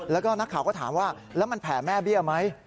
แล้วก็นักข่าวก็ถามว่าแล้วมันแผ่แม่เบี้ยไหม